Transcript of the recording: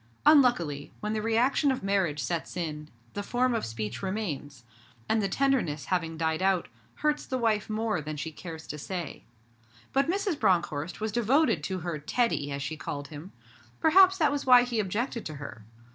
Unluckily, when the reaction of marriage sets in, the form of speech remains, and, the tenderness having died out, hurts the wife more than she cares to say. But Mrs. Bronckhorst was devoted to her 'Teddy' as she called him. Perhaps that was why he objected to her.